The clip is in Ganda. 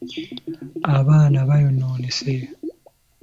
Abaana bayonoonese.